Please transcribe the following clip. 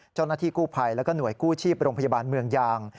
เจ้าหน้าที่กู้ภัยแล้วก็หน่วยกู้ชีพโรงพยาบาลเมืองยาง